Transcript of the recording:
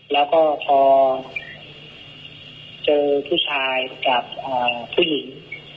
แล้วก็พอเจอผู้ชายกับผู้หญิง